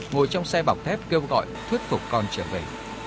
ngồi trong xe bọc thép kêu gọi thuyết phục con trở về